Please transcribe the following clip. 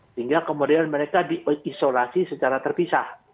sehingga kemudian mereka diisolasi secara terpisah